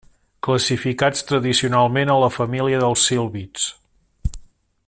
Classificats tradicionalment a la família dels sílvids.